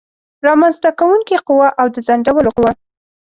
رامنځته کوونکې قوه او د ځنډولو قوه